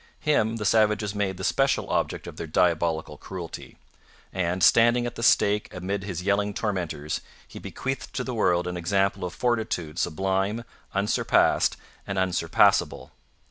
Him the savages made the special object of their diabolical cruelty. And, standing at the stake amid his yelling tormentors, he bequeathed to the world an example of fortitude sublime, unsurpassed, and unsurpassable.